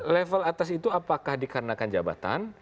level atas itu apakah dikarenakan jabatan